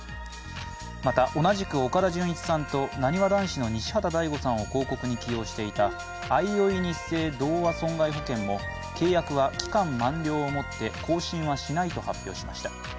また、同じく岡田純一さんとなにわ男子の西畑大吾さんを広告に起用していたあいおいニッセイ同和損害保険も契約は期間満了をもって更新はしないと発表しました。